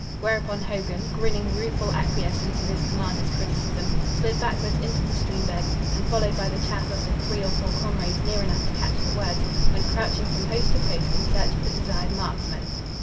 Whereupon Hogan, grinning rueful acquiescence in his commander's criticism, slid backwards into the stream bed and, followed by the chaff of the three or four comrades near enough to catch the words, went crouching from post to post in search of the desired marksman.